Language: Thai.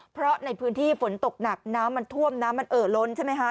เพราะในพื้นที่ฝนตกหนักน้ำมันท่วมน้ำมันเอ่อล้นใช่ไหมคะ